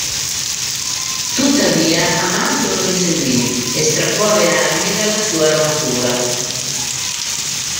Tuttavia, Amazo lo inseguì e strappò le armi dalla sua armatura.